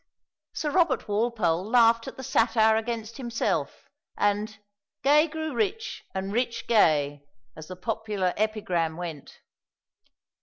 Sir Robert Walpole laughed at the satire against himself, and "Gay grew rich, and Rich gay," as the popular epigram went.